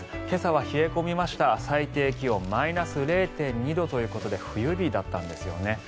今朝は冷え込みました最低気温マイナス０．２度ということで冬日だったんですよね。